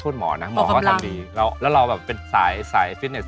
ชอบเข้าว่าคือแบบเป็นลบออกจมูก